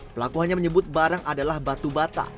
pelakuhannya menyebut barang adalah batu bata